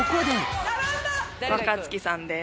若槻さんです。